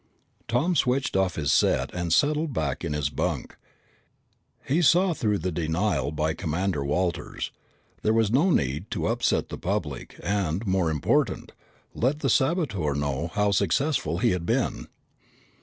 Tom switched off his set and settled back in his bunk. He saw through the denial by Commander Walters. There was no need to upset the public and, more important, let the saboteur know how successful he had been.